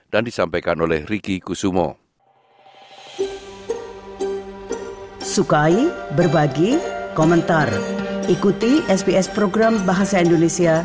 dan disampaikan oleh ricky kusumo